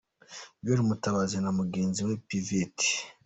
Joel Mutabazi na mugenzi we Pvt.